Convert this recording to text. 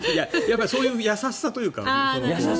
そういう優しさというか。